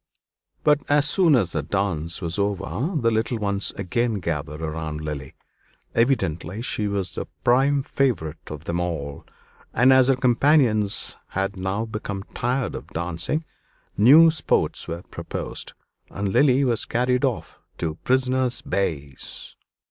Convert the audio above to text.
But as soon as the dance was over, the little ones again gathered round Lily. Evidently she was the prime favorite of them all; and as her companions had now become tired of dancing, new sports were proposed, and Lily was carried off to "Prisoner's Base."